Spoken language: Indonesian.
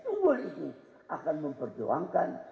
unggul itu akan memperjuangkan